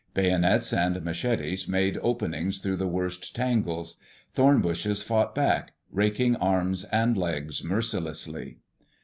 Bayonets and machetes made openings through the worst tangles. Thorn bushes fought back, raking arms and legs mercilessly.